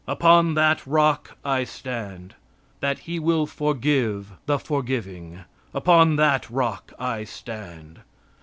Upon that rock I stand. That he will forgive the forgiving. Upon that rock I stand.